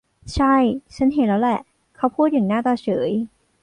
ใช่ ฉันเห็นแล้วแหละ เขาพูดอย่างหน้าตาเฉย